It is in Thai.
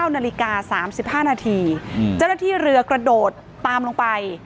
๙นาฬิกา๓๕นาทีเจ้าหน้าที่เรือกระโดดตามลงไป